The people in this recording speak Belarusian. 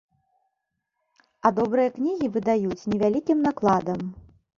А добрыя кнігі выдаюць невялікім накладам.